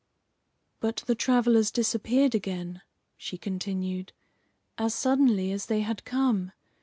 "But the travellers disappeared again," she continued, "as suddenly as they had come.